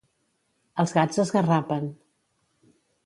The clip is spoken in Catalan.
Els gats esgarrapen.